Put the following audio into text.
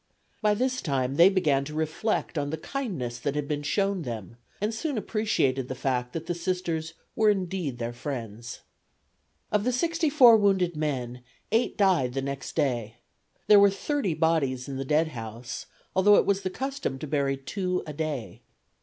By this time they began to reflect on the kindness that had been shown them and soon appreciated the fact that the Sisters were indeed their friends. Of the sixty four wounded men eight died the next day. There were thirty bodies in the dead house, although it was the custom to bury two a day.